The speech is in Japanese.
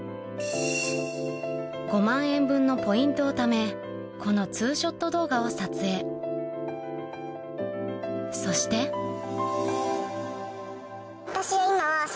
５万円分のポイントをためこのツーショット動画を撮影そして私は今。